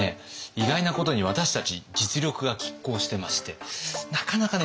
意外なことに私たち実力がきっ抗してましてなかなかね